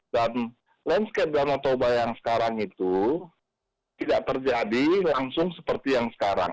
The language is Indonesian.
dan landscape danau toba yang sekarang itu tidak terjadi langsung seperti yang sekarang